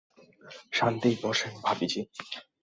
শান্তি, বসেন, ভাবী জি।